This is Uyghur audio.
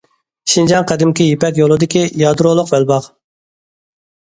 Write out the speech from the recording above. شىنجاڭ قەدىمكى يىپەك يولىدىكى يادرولۇق بەلباغ.